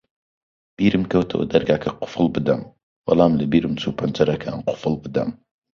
بیرم کەوتەوە دەرگاکە قوفڵ بدەم، بەڵام لەبیرم چوو پەنجەرەکان قوفڵ بدەم.